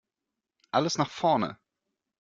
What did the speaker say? Alles nach vorne!